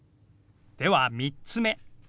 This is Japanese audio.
では３つ目。